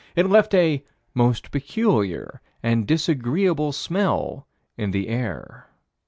"It left a most peculiar and disagreeable smell in the air."